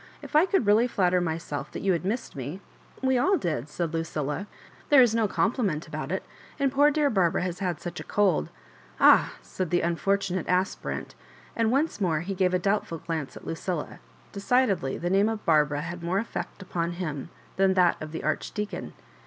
If I could really flatter myself that you had missed me " "We all did," said Lucilla; "there is no com pliment about it; and poor dear Barbara has had such a cold " "Ah I" said the unfortunate aspbant ; and once more he gave a doubtful glance at Lucilla— de cidedly the name of Barbara had more effect upon him than that of the Archdeacon.